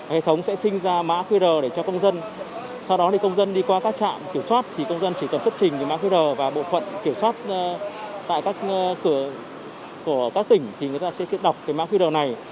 hệ thống sẽ sinh ra mã qr để cho công dân sau đó công dân đi qua các trạm kiểm soát thì công dân chỉ cần xuất trình cái mã qr và bộ phận kiểm soát tại các cửa của các tỉnh thì người ta sẽ kết đọc cái mã qr này